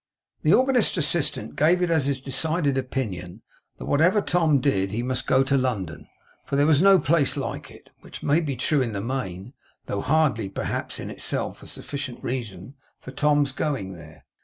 The organist's assistant gave it as his decided opinion that whatever Tom did, he must go to London; for there was no place like it. Which may be true in the main, though hardly, perhaps, in itself, a sufficient reason for Tom's going there.